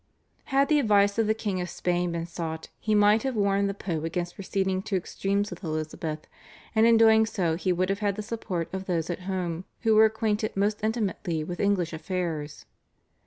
Had the advice of the King of Spain been sought he might have warned the Pope against proceeding to extremes with Elizabeth, and in doing so he would have had the support of those at home who were acquainted most intimately with English affairs.